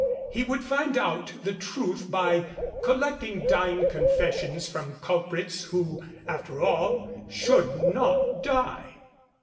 He would find out the truth by collecting dying confessions from culprits who, after all, should not die.